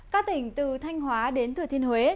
các tỉnh từ thanh hóa đến thừa thiên huế